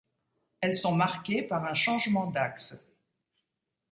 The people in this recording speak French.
Elles sont marquées par un changement d'axes.